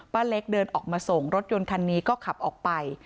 เล็กเดินออกมาส่งรถยนต์คันนี้ก็ขับออกไป